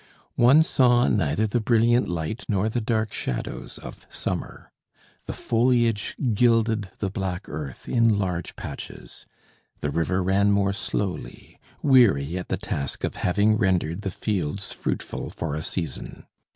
One saw neither the brilliant light nor the dark shadows of summer. The foliage gilded the black earth in large patches. The river ran more slowly, weary at the task of having rendered the fields fruitful for a season.